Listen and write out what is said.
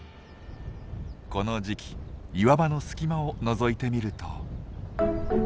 この時期岩場の隙間をのぞいてみると。